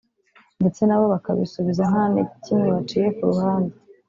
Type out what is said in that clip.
ndetse nabo bakabisubiza nta na kimwe baciye ku ruhande